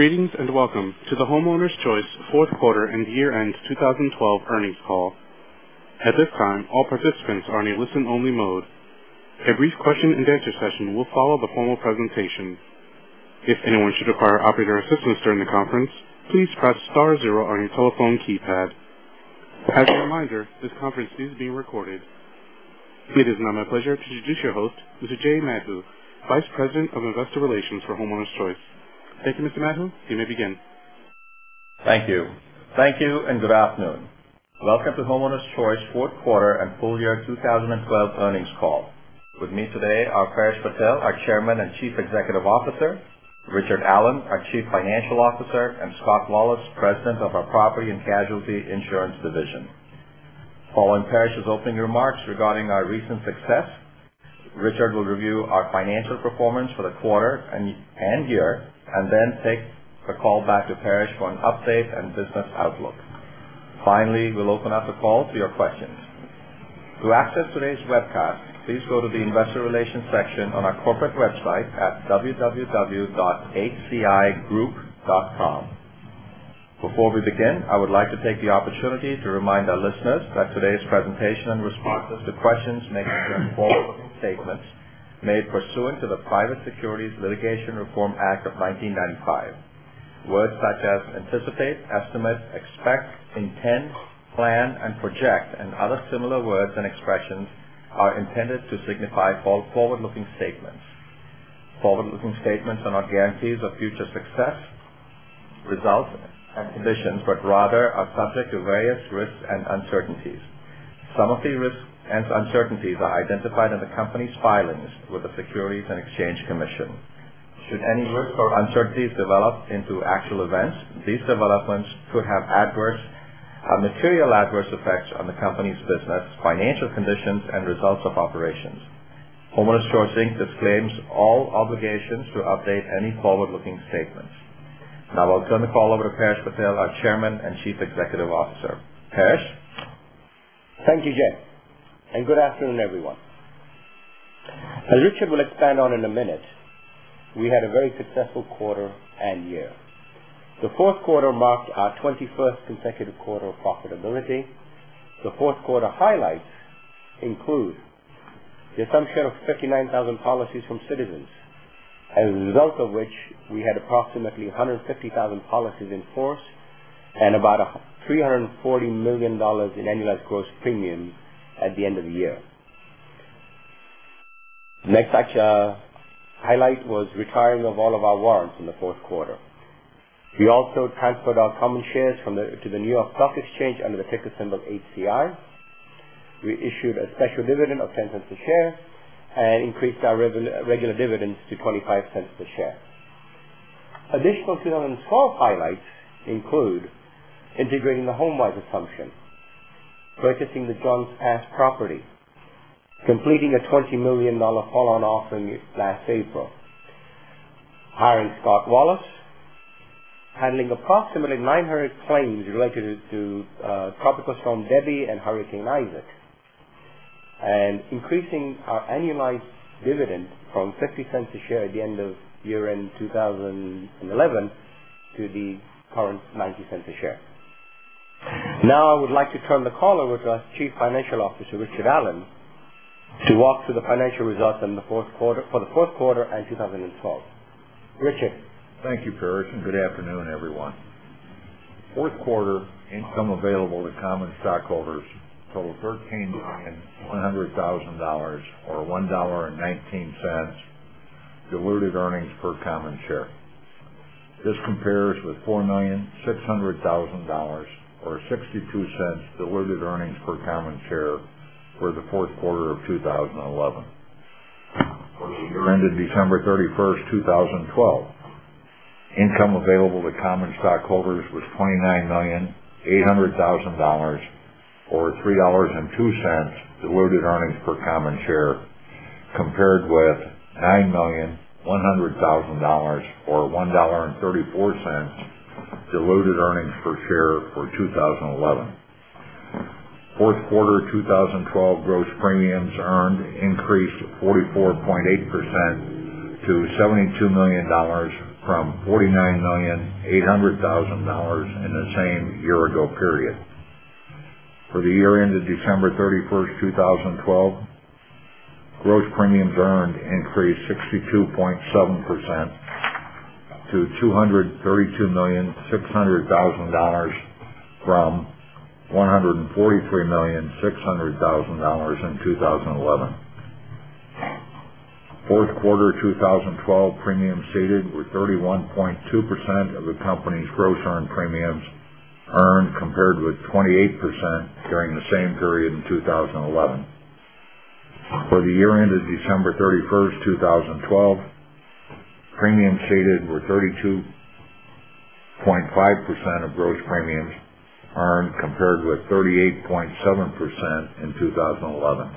Greetings, and welcome to the Homeowners Choice fourth quarter and year-end 2012 earnings call. At this time, all participants are in a listen-only mode. A brief question-and-answer session will follow the formal presentation. If anyone should require operator assistance during the conference, please press star zero on your telephone keypad. As a reminder, this conference is being recorded. It is now my pleasure to introduce your host, Mr. Jay Madhu, Vice President of Investor Relations for Homeowners Choice. Thank you, Mr. Madhu. You may begin. Thank you. Thank you, and good afternoon. Welcome to Homeowners Choice fourth quarter and full year 2012 earnings call. With me today are Paresh Patel, our Chairman and Chief Executive Officer, Richard Allen, our Chief Financial Officer, and Scott Wallace, President of our Property and Casualty Insurance Division. Following Paresh's opening remarks regarding our recent success, Richard will review our financial performance for the quarter and year, and then take the call back to Paresh for an update and business outlook. Finally, we'll open up the call to your questions. To access today's webcast, please go to the investor relations section on our corporate website at www.hcigroup.com. Before we begin, I would like to take the opportunity to remind our listeners that today's presentation, in response to questions may contain forward-looking statements made pursuant to the Private Securities Litigation Reform Act of 1995. Words such as anticipate, estimate, expect, intend, plan, and project, and other similar words and expressions are intended to signify forward-looking statements. Forward-looking statements are not guarantees of future success, results, and conditions but rather are subject to various risks and uncertainties. Some of the risks and uncertainties are identified in the company's filings with the Securities and Exchange Commission. Should any risks or uncertainties develop into actual events, these developments could have material adverse effects on the company's business, financial conditions, and results of operations. Homeowners Choice, Inc. disclaims all obligations to update any forward-looking statements. Now I'll turn the call over to Paresh Patel, our Chairman and Chief Executive Officer. Paresh? Thank you, Jay, and good afternoon, everyone. As Richard will expand on in a minute, we had a very successful quarter and year. The fourth quarter marked our 21st consecutive quarter of profitability. The fourth quarter highlights include the assumption of 39,000 policies from Citizens, as a result of which we had approximately 150,000 policies in force and about $340 million in annualized gross premiums at the end of the year. Next such highlight was retirement of all of our warrants in the fourth quarter. We also transferred our common shares to the New York Stock Exchange under the ticker symbol HCI. We issued a special dividend of $0.10 a share and increased our regular dividends to $0.25 a share. Additional 2012 highlights include integrating the HomeWise assumption, purchasing the Jones Pass property, completing a $20 million follow-on offering last April, hiring Scott Wallace, handling approximately 900 claims related to Tropical Storm Debby and Hurricane Isaac, and increasing our annualized dividend from $0.50 a share at the end of year-end 2011 to the current $0.90 a share. I would like to turn the call over to our Chief Financial Officer, Richard Allen, to walk through the financial results for the fourth quarter and 2012. Richard? Thank you, Paresh, and good afternoon, everyone. Fourth quarter income available to common stockholders totaled $13,100,000, or $1.19 diluted earnings per common share. This compares with $4,600,000, or $0.62 diluted earnings per common share for the fourth quarter of 2011. For the year ended December 31st, 2012, income available to common stockholders was $29,800,000, or $3.02 diluted earnings per common share, compared with $9,100,000 or $1.34 diluted earnings per share for 2011. Fourth quarter 2012 gross premiums earned increased 44.8% to $72 million from $49,800,000 in the same year-ago period. For the year ended December 31st, 2012, gross premiums earned increased 62.7% to $232,600,000 from $143,600,000 in 2011. Fourth quarter 2012 premiums ceded were 31.2% of the company's gross earned premiums earned, compared with 28% during the same period in 2011. For the year ended December 31st, 2012, premiums ceded were 32.5% of gross premiums earned, compared with 38.7% in 2011.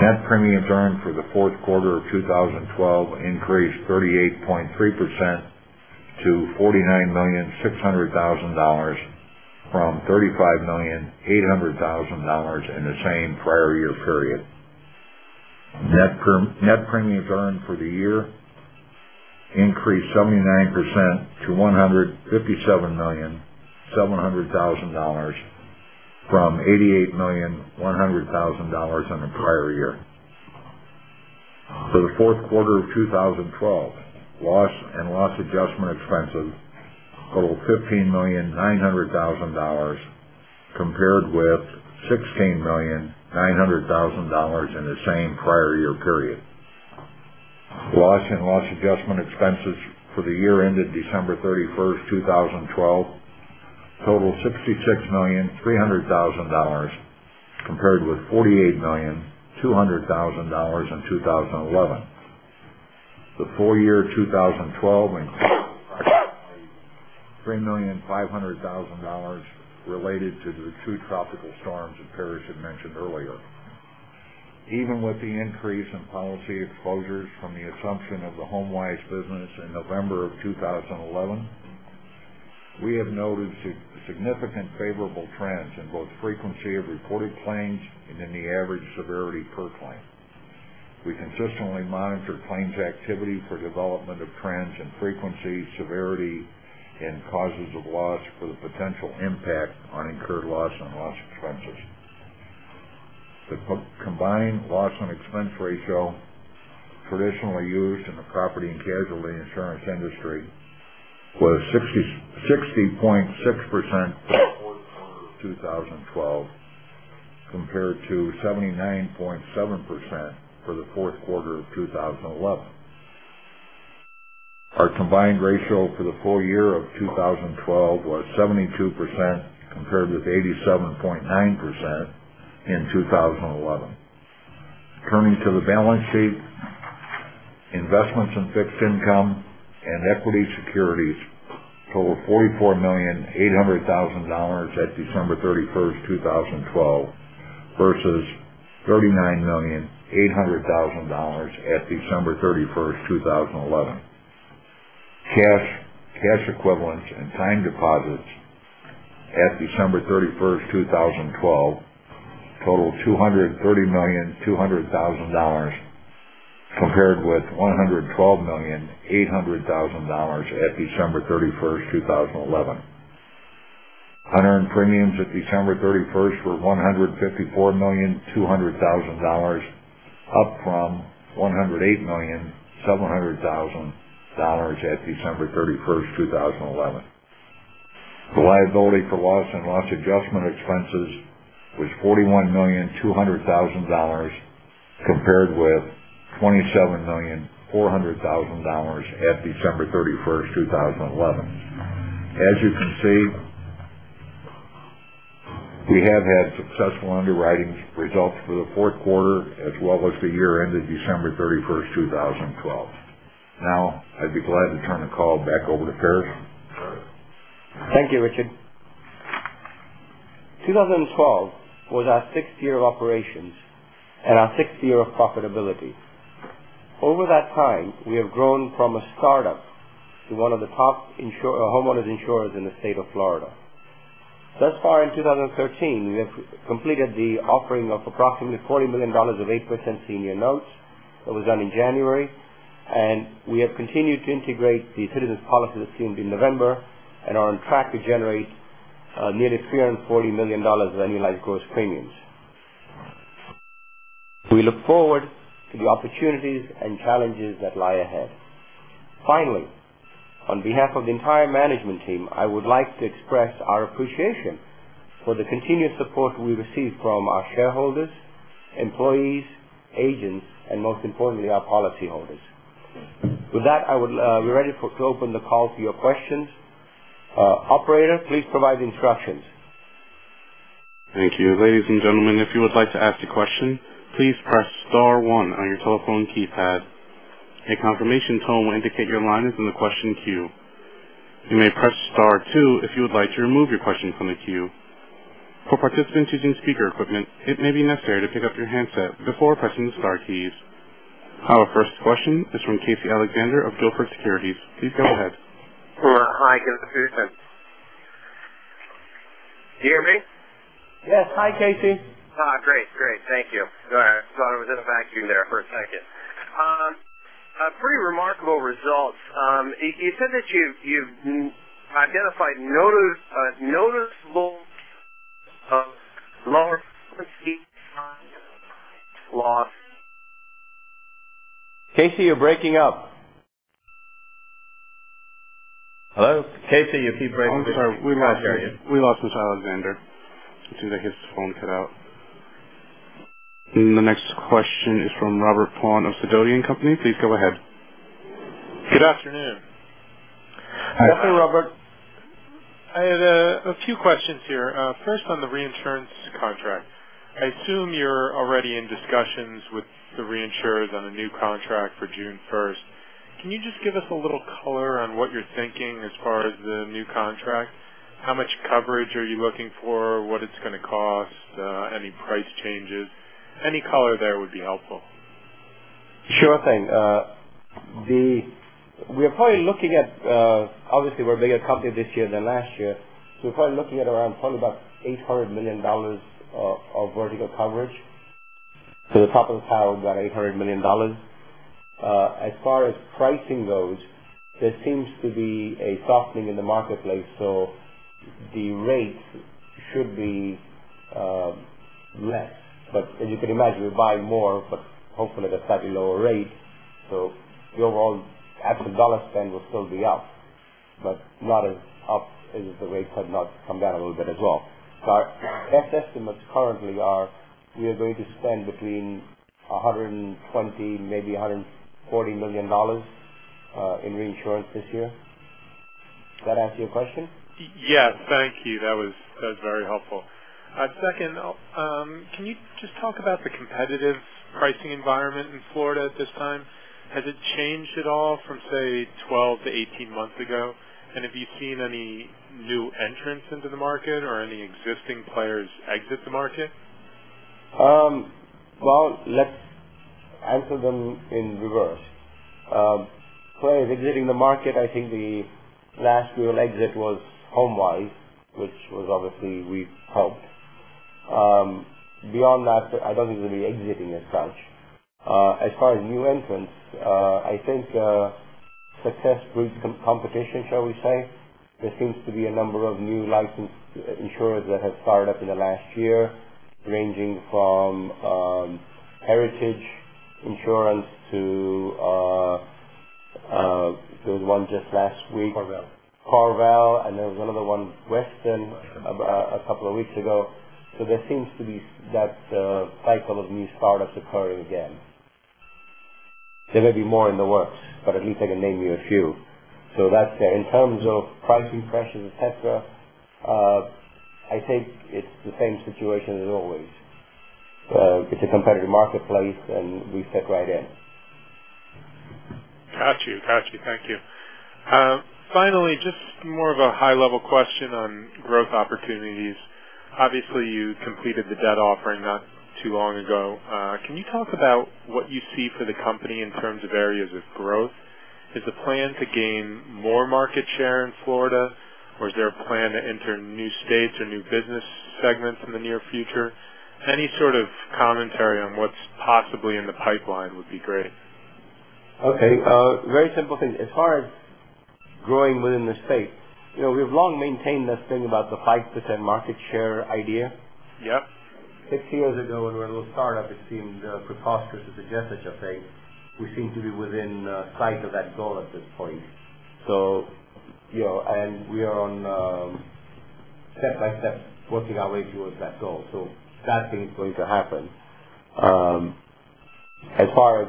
Net premiums earned for the fourth quarter of 2012 increased 38.3% to $49,600,000 from $35,800,000 in the same prior year period. Net premiums earned for the year increased 79% to $157,700,000 from $88,100,000 in the prior year. For the fourth quarter of 2012, loss and loss adjustment expenses totaled $15,900,000 compared with $16,900,000 in the same prior year period. Loss and loss adjustment expenses for the year ended December 31st, 2012 totaled $66,300,000 compared with $48,200,000 in 2011. The full year 2012 included approximately $3,500,000 related to the two tropical storms that Paresh had mentioned earlier. Even with the increase in policy exposures from the assumption of the HomeWise business in November of 2011, we have noted significant favorable trends in both frequency of reported claims and in the average severity per claim. We consistently monitor claims activity for development of trends in frequency, severity, and causes of loss for the potential impact on incurred loss and loss expenses. The combined loss and expense ratio traditionally used in the property and casualty insurance industry was 60.6% for the fourth quarter of 2012 compared to 79.7% for the fourth quarter of 2011. Our combined ratio for the full year of 2012 was 72%, compared with 87.9% in 2011. Turning to the balance sheet, investments in fixed income and equity securities totaled $44,800,000 at December 31st, 2012 versus $39,800,000 at December 31st, 2011. Cash equivalents and time deposits at December 31st, 2012 totaled $230,200,000 compared with $112,800,000 at December 31st, 2011. Unearned premiums at December 31st were $154,200,000, up from $108,700,000 at December 31st, 2011. The liability for loss and loss adjustment expenses was $41,200,000 compared with $27,400,000 at December 31st, 2011. As you can see, we have had successful underwriting results for the fourth quarter as well as the year ended December 31st, 2012. Now, I'd be glad to turn the call back over to Paresh. Thank you, Richard. 2012 was our sixth year of operations and our sixth year of profitability. Over that time, we have grown from a startup to one of the top homeowners insurers in the state of Florida. Thus far in 2013, we have completed the offering of approximately $40 million of 8% senior notes. That was done in January. We have continued to integrate the Citizens policy that came in November and are on track to generate nearly $340 million of annualized gross premiums. We look forward to the opportunities and challenges that lie ahead. Finally, on behalf of the entire management team, I would like to express our appreciation for the continued support we receive from our shareholders, employees, agents, and most importantly, our policyholders. With that, we're ready to open the call to your questions. Operator, please provide instructions. Thank you. Ladies and gentlemen, if you would like to ask a question, please press star one on your telephone keypad. A confirmation tone will indicate your line is in the question queue. You may press star two if you would like to remove your question from the queue. For participants using speaker equipment, it may be necessary to pick up your handset before pressing the star keys. Our first question is from Casey Alexander of Gilford Securities. Please go ahead. Hi, good afternoon. Do you hear me? Yes. Hi, Casey. Great. Thank you. Thought I was in a vacuum there for a second. Pretty remarkable results. You said that you've identified noticeable lower frequency loss. Casey, you're breaking up. Hello? Casey, you keep breaking. I'm sorry. We lost Mr. Alexander. It seems like his phone cut out. The next question is from Robert Pond of Sidoti & Company. Please go ahead. Good afternoon. Hi. Hi, Robert. I had a few questions here. First, on the reinsurance contract. I assume you're already in discussions with the reinsurers on a new contract for June 1st. Can you just give us a little color on what you're thinking as far as the new contract? How much coverage are you looking for? What it's going to cost? Any price changes? Any color there would be helpful. Sure thing. Obviously, we're a bigger company this year than last year. We're probably looking at around about $800 million of vertical coverage. To the top of the tower, we've got $800 million. As far as pricing goes, there seems to be a softening in the marketplace, so the rates should be less. As you can imagine, we're buying more, but hopefully at a slightly lower rate. The overall absolute dollar spend will still be up, but not as up if the rates had not come down a little bit as well. Best estimates currently are, we are going to spend between $120 million-$140 million in reinsurance this year. Does that answer your question? Yes. Thank you. That was very helpful. Second, can you just talk about the competitive pricing environment in Florida at this time? Has it changed at all from, say, 12 to 18 months ago? Have you seen any new entrants into the market or any existing players exit the market? Well, let's answer them in reverse. Players exiting the market, I think the last real exit was HomeWise, which obviously we helped. Beyond that, I don't think there'll be exiting as such. As far as new entrants, I think successful competition, shall we say. There seems to be a number of new licensed insurers that have started up in the last year, ranging from Heritage Insurance to, there was one just last week. CorVel. CorVel, and there was another one, Weston, a couple of weeks ago. There seems to be that cycle of new startups occurring again. There may be more in the works, but at least I can name you a few. That's there. In terms of pricing pressures, et cetera, I think it's the same situation as always. It's a competitive marketplace, we fit right in. Just more of a high-level question on growth opportunities. You completed the debt offering not too long ago. Can you talk about what you see for the company in terms of areas of growth? Is the plan to gain more market share in Florida, or is there a plan to enter new states or new business segments in the near future? Any sort of commentary on what's possibly in the pipeline would be great. Okay. Very simple thing. Growing within the state, we've long maintained this thing about the 5% market share idea. Yep. Six years ago, when we were a little startup, it seemed preposterous to suggest such a thing. We seem to be within sight of that goal at this point. We are step by step working our way towards that goal, that thing is going to happen.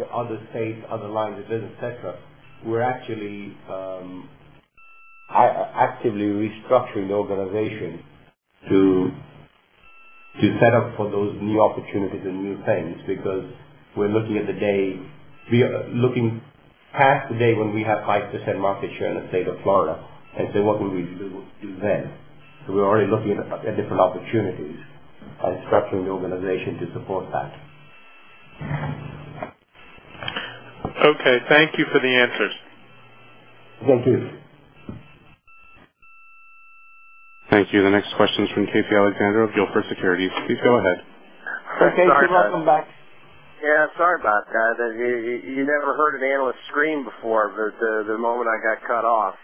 Other states, other lines of business, et cetera, we're actually actively restructuring the organization to set up for those new opportunities and new things because we are looking past the day when we have 5% market share in the state of Florida and say, what can we do then? We're already looking at different opportunities and structuring the organization to support that. Okay. Thank you for the answers. Thank you. Thank you. The next question is from Casey Alexander of Gilford Securities. Please go ahead. Hey, Casey. Welcome back. Yeah, sorry about that. You never heard an analyst scream before, but the moment I got cut off.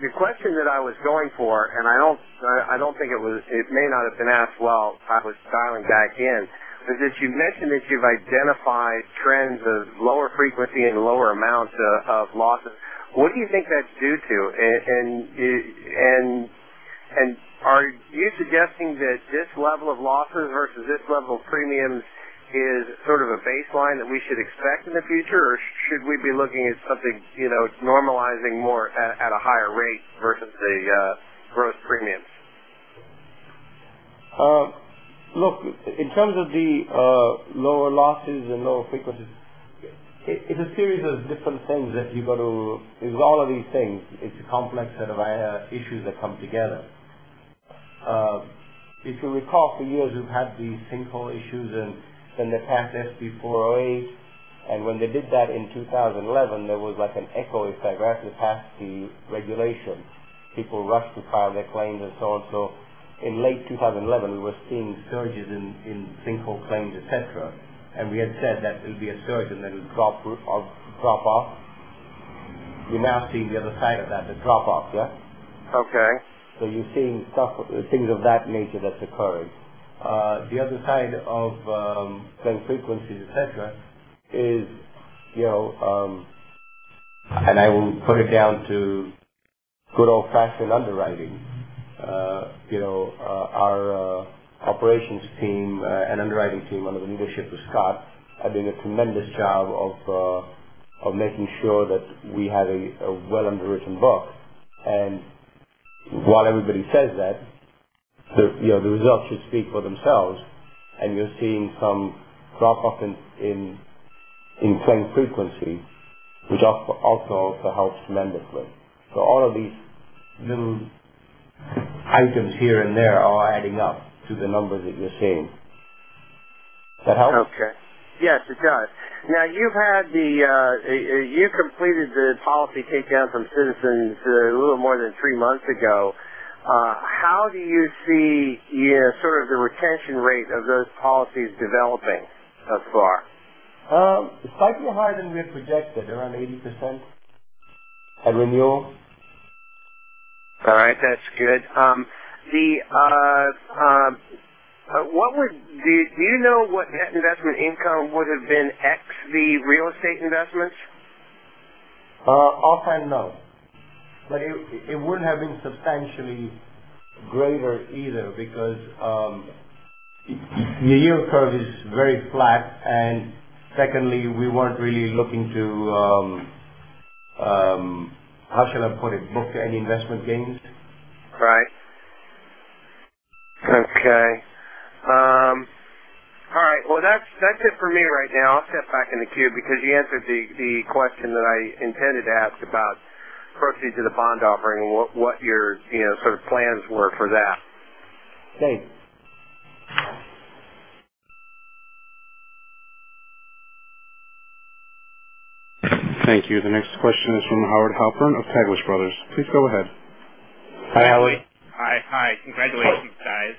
The question that I was going for, and it may not have been asked while I was dialing back in, is that you've mentioned that you've identified trends of lower frequency and lower amounts of losses. What do you think that's due to? Are you suggesting that this level of losses versus this level of premiums is sort of a baseline that we should expect in the future? Should we be looking at something normalizing more at a higher rate versus the gross premiums? Look, in terms of the lower losses and lower frequencies, it's a series of different things. It's all of these things. It's a complex set of issues that come together. If you recall, for years, we've had these sinkhole issues. Then they passed SB 408. When they did that in 2011, there was an echo effect right after they passed the regulation. People rushed to file their claims and so on. In late 2011, we were seeing surges in sinkhole claims, et cetera. We had said that there'll be a surge and then a drop-off. We're now seeing the other side of that, the drop-off. Yeah. Okay. You're seeing things of that nature that's occurred. The other side of claim frequencies, et cetera. I will put it down to good old-fashioned underwriting. Our operations team and underwriting team, under the leadership of Scott, have done a tremendous job of making sure that we have a well-underwritten book. While everybody says that, the results should speak for themselves, and you're seeing some drop-off in claim frequency, which also helps tremendously. All of these little items here and there are adding up to the numbers that you're seeing. That help? Okay. Yes, it does. You've completed the policy takedown from Citizens a little more than three months ago. How do you see the retention rate of those policies developing thus far? Slightly higher than we had projected, around 80% of renewal. All right, that's good. Do you know what net investment income would've been x the real estate investments? Offhand, no. It wouldn't have been substantially graver either, because the yield curve is very flat, and secondly, we weren't really looking to, how should I put it? Book any investment gains. Right. Okay. All right. That's it for me right now. I'll step back in the queue because you answered the question that I intended to ask about proceeds of the bond offering and what your plans were for that. Thanks. Thank you. The next question is from Howard Halpern of Taglich Brothers. Please go ahead. Hi, Howie. Hi. Congratulations, guys.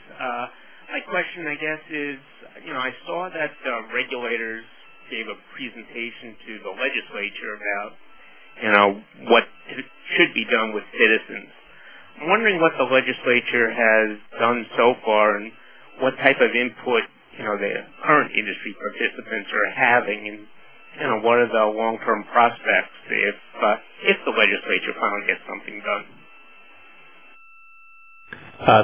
My question, I saw that the regulators gave a presentation to the legislature about what should be done with Citizens. I'm wondering what the legislature has done so far and what type of input the current industry participants are having, what are the long-term prospects if the legislature finally gets something done.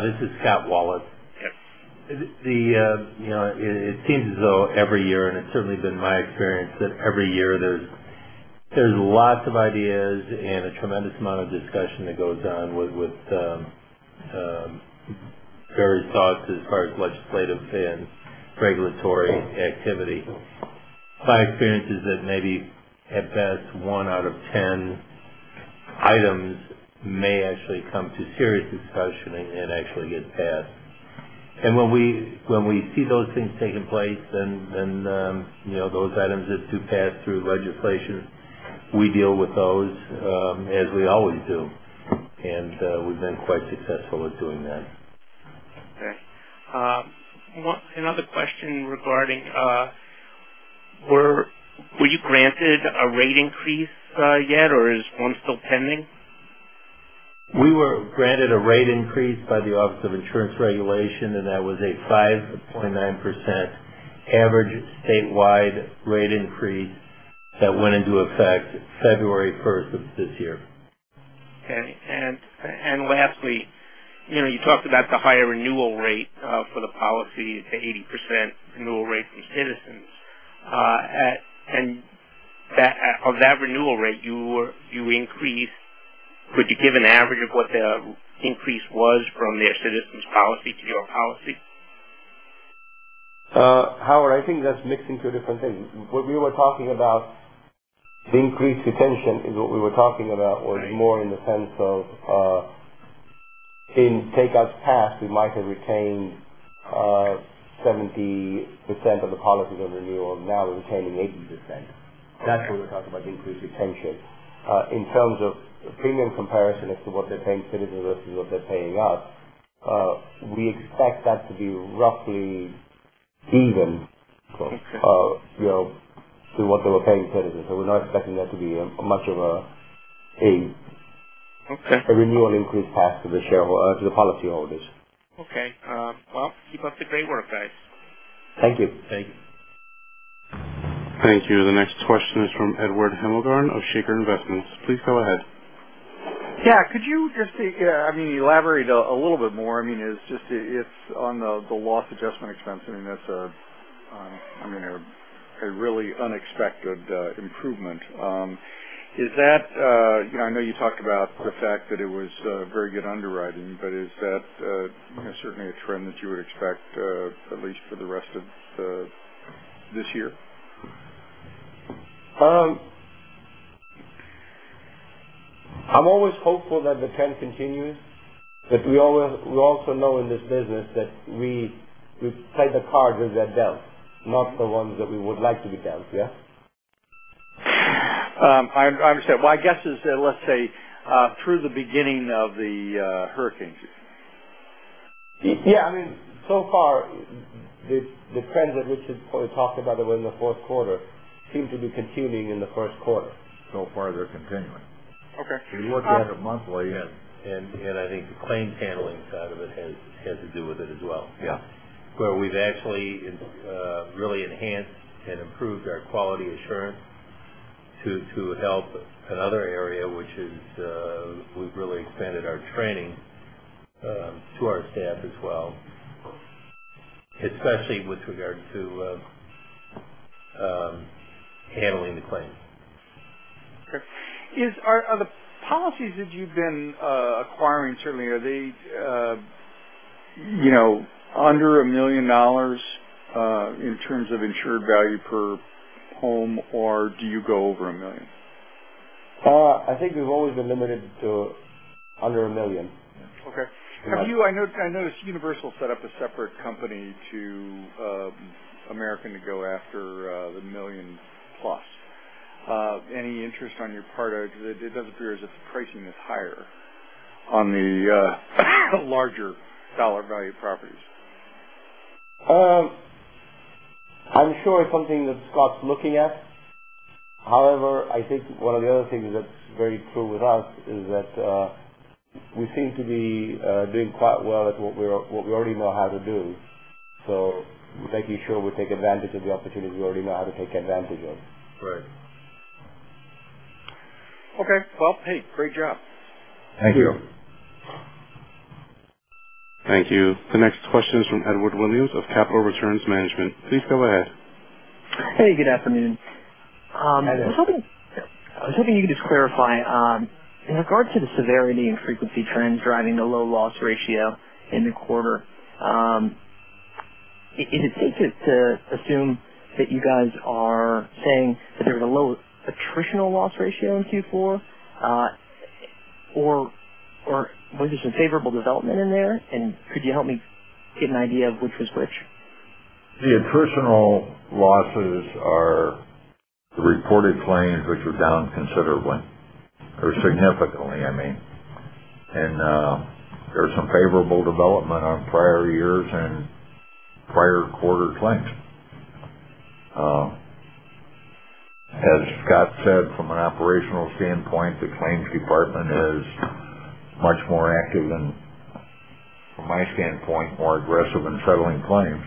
This is Scott Wallace. Yes. It seems as though every year, it's certainly been my experience that every year there's lots of ideas and a tremendous amount of discussion that goes on with various thoughts as far as legislative and regulatory activity. My experience is that maybe at best one out of 10 items may actually come to serious discussion and actually get passed. When we see those things taking place then those items that do pass through legislation, we deal with those, as we always do. We've been quite successful at doing that. Okay. Another question regarding, were you granted a rate increase yet or is one still pending? We were granted a rate increase by the Office of Insurance Regulation. That was a 5.9% average statewide rate increase that went into effect February 1st of this year. Okay. Lastly, you talked about the higher renewal rate for the policy. It's an 80% renewal rate from Citizens. Of that renewal rate you increased, could you give an average of what the increase was from their Citizens policy to your policy? Howard, I think that's mixing two different things. What we were talking about, the increased retention in what we were talking about was more in the sense of in takeouts past, we might have retained 70% of the policies on renewal. Now we're retaining 80%. That's what we're talking about increased retention. In terms of premium comparison as to what they're paying Citizens versus what they're paying us, we expect that to be roughly even. Okay. to what they were paying Citizens. We're not expecting there to be much of a Okay. renewal increase pass to the policyholders. Okay. Well, keep up the great work, guys. Thank you. Thank you. Thank you. The next question is from Edward Hemmelgarn of Shaker Investments. Please go ahead. Yeah. Could you just elaborate a little bit more. It's on the loss adjustment expense. That's a really unexpected improvement. I know you talked about the fact that it was very good underwriting, is that certainly a trend that you would expect at least for the rest of this year? I'm always hopeful that the trend continues. We also know in this business that we play the cards as they're dealt, not the ones that we would like to be dealt. Yeah? I understand. Well, I guess let's say through the beginning of the hurricane season. Yeah. So far the trends that Richard sort of talked about that were in the fourth quarter seem to be continuing in the first quarter. So far they're continuing. Okay. We look at it monthly. Yes. I think the claims handling side of it has to do with it as well. Yeah. Where we've actually really enhanced and improved our quality assurance to help another area, which is we've really expanded our training to our staff as well, especially with regard to handling the claims. Okay. Are the policies that you've been acquiring, certainly are they under $1 million in terms of insured value per home, or do you go over $1 million? I think we've always been limited to under $1 million. Okay. I noticed Universal set up a separate company to American to go after the million plus. Any interest on your part? It does appear as if the pricing is higher on the larger dollar value properties. I'm sure it's something that Scott's looking at. However, I think one of the other things that's very true with us is that we seem to be doing quite well at what we already know how to do. Making sure we take advantage of the opportunities we already know how to take advantage of. Right. Okay. Well, hey, great job. Thank you. Thank you. The next question is from Edward Williams of Capital Returns Management. Please go ahead. Hey, good afternoon. Hi there. I was hoping you could just clarify, in regards to the severity and frequency trends driving the low loss ratio in the quarter. Is it safe to assume that you guys are saying that there's a low attritional loss ratio in Q4, or was there some favorable development in there, could you help me get an idea of which was which? The attritional losses are the reported claims, which were down considerably, or significantly, I mean. There's some favorable development on prior years and prior quarter claims. As Scott said, from an operational standpoint, the claims department is much more active than, from my standpoint, more aggressive in settling claims.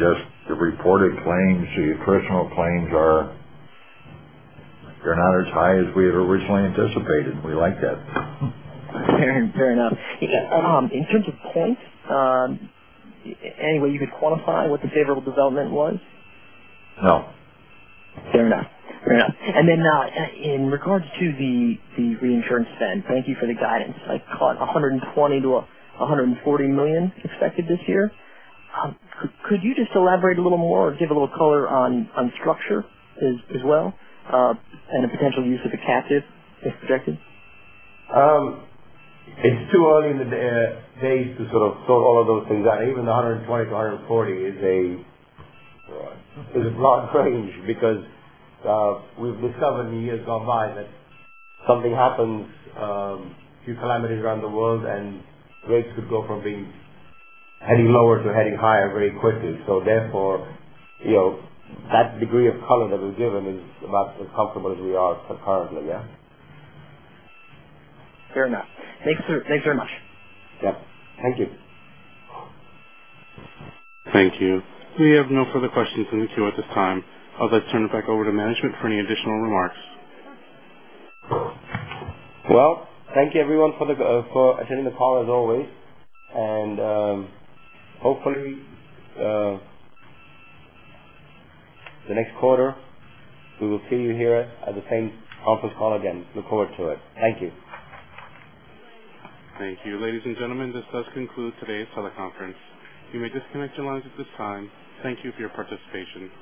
Just the reported claims, the attritional claims are not as high as we had originally anticipated, and we like that. Fair enough. In terms of claims, any way you could quantify what the favorable development was? No. Fair enough. Then, in regards to the reinsurance spend, thank you for the guidance. I caught $120 million-$140 million expected this year. Could you just elaborate a little more or give a little color on structure as well, and the potential use of the captive as projected? It's too early in the day to sort of sort all of those things out. Even the $120 million-$140 million is a broad range because we've discovered in years gone by that something happens, a few calamities around the world, and rates could go from being heading lower to heading higher very quickly. Therefore, that degree of color that was given is about as comfortable as we are currently, yeah. Fair enough. Thanks very much. Yeah. Thank you. Thank you. We have no further questions in the queue at this time. I'll just turn it back over to management for any additional remarks. Well, thank you, everyone, for attending the call as always. Hopefully, the next quarter, we will see you here at the same conference call again. Look forward to it. Thank you. Thank you. Ladies and gentlemen, this does conclude today's teleconference. You may disconnect your lines at this time. Thank you for your participation.